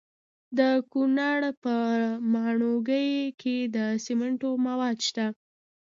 د کونړ په ماڼوګي کې د سمنټو مواد شته.